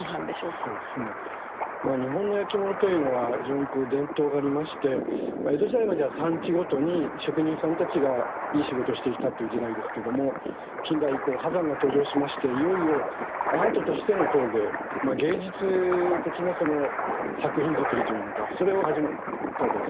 そうですね日本のやきものというのは非常に伝統がありまして江戸時代までは産地ごとに職人さんたちがいい仕事をしていたという時代ですけども近代以降波山が登場しましていよいよアートとしての陶芸芸術的な作品作りというのかそれを始めたわけです。